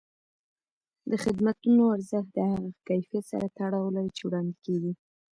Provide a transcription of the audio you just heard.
د خدمتونو ارزښت د هغه کیفیت سره تړاو لري چې وړاندې کېږي.